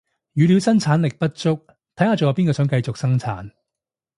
語料生產力不足，睇下仲有邊個想繼續生產